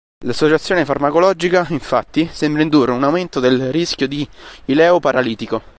L'associazione farmacologica infatti sembra indurre un aumento del rischio di ileo paralitico.